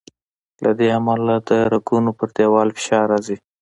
له دې امله د رګونو پر دیوال فشار راځي.